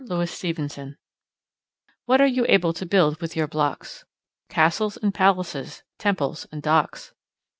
VI Block City What are you able to build with your blocks? Castles and palaces, temples and docks.